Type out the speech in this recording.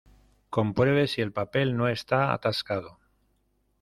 Compruebe si el papel no está atascado.